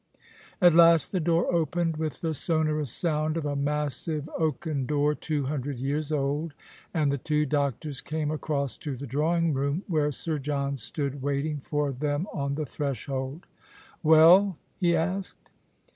At last the door opened, with the sonorous sound of a massive oaken door two hundred years old, and the two 218 The Christmas Hirelings. doctors came across to the drawing room where Sir John stood waiting for them on the threshold. "Weil? "he asked.